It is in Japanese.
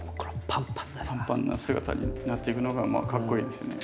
パンパンな姿になっていくのがかっこイイですよね。